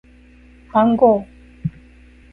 番号